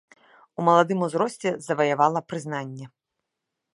У маладым узросце заваявала прызнанне.